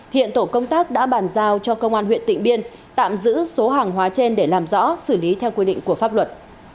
hiện tổ công tác đã bàn giao cho công an huyện tịnh biên tạm giữ số hàng hóa trên để làm rõ xử lý theo quy định của pháp luật